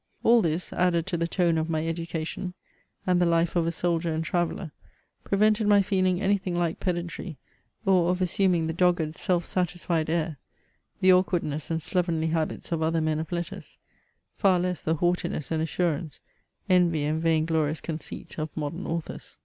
All this, added to the tone of my education* and the life of a soldier and traveller, prevented my feeUng anything like pedantry, or of assuming the dogged, self satisfied air, the awkwardness and slovenly habits of other men of letters ; far less the haughtiness and assurance, envy and vain glorious oonedt of modem authors.